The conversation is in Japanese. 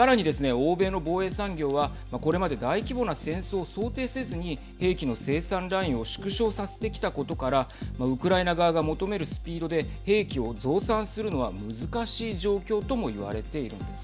欧米の防衛産業はこれまで大規模な戦争を想定せずに兵器の生産ラインを縮小させてきたことからウクライナ側が求めるスピードで兵器を増産するのは難しい状況とも言われているんです。